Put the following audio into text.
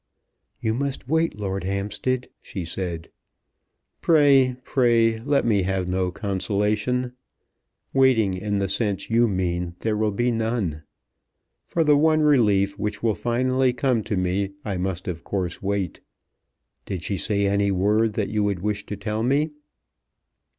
"You must wait, Lord Hampstead," she said. "Pray, pray, let me have no consolation. Waiting in the sense you mean there will be none. For the one relief which will finally come to me I must of course wait. Did she say any word that you would wish to tell me!"